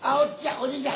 おじいちゃん！